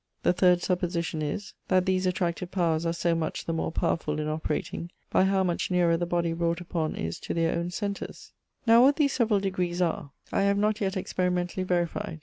The third supposition is, that these attractive powers are soe much the more powerfull in operating, by how much nearer the body wrought upon is to their own centers. Now what these severall degrees are, I have not yet experimentally verified.'